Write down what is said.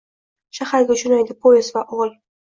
shaharga joʼnaydi poezd va oʼgʼil.